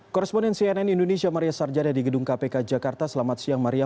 koresponen cnn indonesia maria sarjana di gedung kpk jakarta selamat siang maria